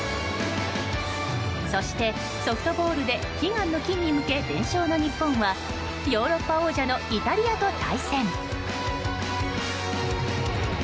そしてソフトボールで悲願の金に向け連勝の日本はヨーロッパ王者のイタリアと対戦。